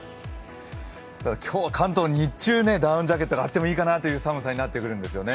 今日は関東、日中、ダウンジャケットがあってもいいかなという寒さになってくるんですよね。